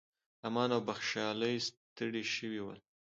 امان او بخشالۍ ستړي شوي ول.